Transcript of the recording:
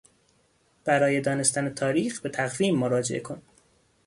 برای دانستن تاریخ به تقویم مراجعه کن!